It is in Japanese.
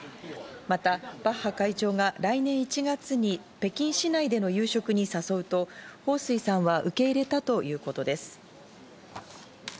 また、バッハ会長が来年１月に北京市内での夕食に誘うと、ホウ・スイさんは受け入れたということです。